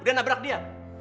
udah nabrak dia